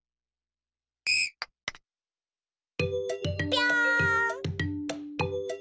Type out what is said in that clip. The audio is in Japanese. ぴょん。